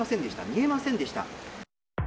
見えませんでした。